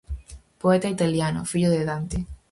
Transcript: Poeta italiano, fillo de Dante.